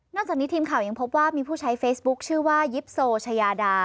จากนี้ทีมข่าวยังพบว่ามีผู้ใช้เฟซบุ๊คชื่อว่ายิปโซชายาดา